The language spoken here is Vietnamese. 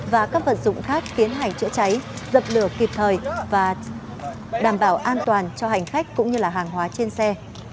và các vật dụng khác tiến hành chữa cháy dập lửa kịp thời và đảm bảo an toàn cho hành khách cũng như hàng hóa trên xe